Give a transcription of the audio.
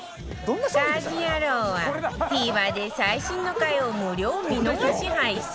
『家事ヤロウ！！！』は ＴＶｅｒ で最新の回を無料見逃し配信